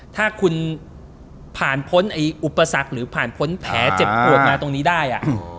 ถ้าคุณผ่านพ้นอุปสรรคหรือผ่านพ้นแผลเจ็บปวดมาตรงนี้ได้